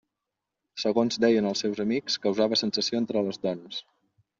Segons deien els seus amics, causava sensació entre les dones.